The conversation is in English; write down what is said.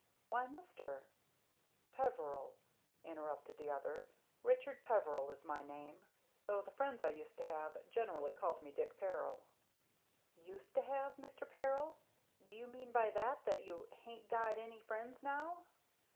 "Why, Mister " "Peveril," interrupted the other. "Richard Peveril is my name, though the friends I used to have generally called me 'Dick Peril."' "Used to have, Mr. Peril? Do you mean by that that you hain't got any friends now?"